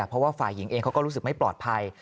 เพราะว่าฝ่ายหญิงเองเขาก็รู้สึกไม่ปลอดภัย